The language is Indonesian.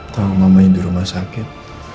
tahu mamanya di rumah sakit